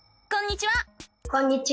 こんにちは！